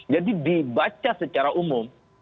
jadi dibaca secara umum